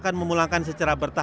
dan memulangkan secara berkualitas